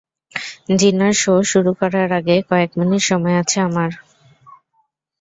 জিনার শো শুরু করার আগে কয়েক মিনিট সময় আছে আমার।